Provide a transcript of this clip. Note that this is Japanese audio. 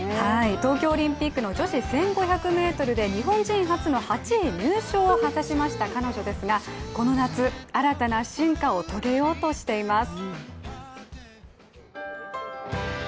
東京オリンピックの女子１５００ｍで日本人初の８位入賞を果たしました彼女ですがこの夏、新たな進化を遂げようとしています。